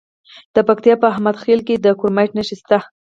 د پکتیا په احمد خیل کې د کرومایټ نښې شته.